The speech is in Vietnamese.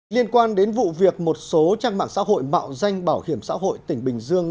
liên quan đến vụ việc một số trang mạng xã hội mạo danh bảo hiểm xã hội tỉnh bình dương